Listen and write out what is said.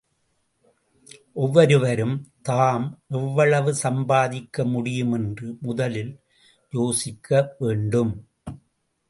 ஒவ்வொருவரும் தாம் எவ்வளவு சம் பாதிக்க முடியும் என்று முதலில் யோசிக்க வேண்டும்.